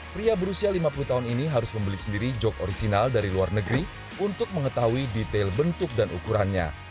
pria berusia lima puluh tahun ini harus membeli sendiri jog orisinal dari luar negeri untuk mengetahui detail bentuk dan ukurannya